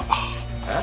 え？